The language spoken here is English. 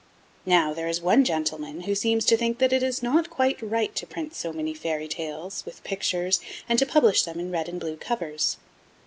Now, there is one gentleman who seems to think that it is not quite right to print so many fairy tales, with pictures, and to publish them in red and blue covers.